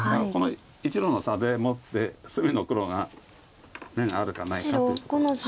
この１路の差でもって隅の黒が眼があるかないかということ。